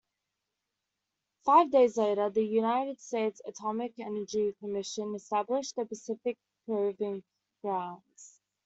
Five days later, the United States Atomic Energy Commission established the Pacific Proving Grounds.